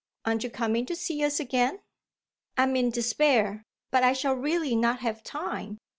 "Aren't you coming to see us again?" "I'm in despair, but I shall really not have time.